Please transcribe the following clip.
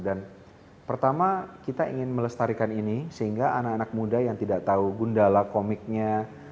dan pertama kita ingin melestarikan ini sehingga anak anak muda yang tidak tahu gundala komiknya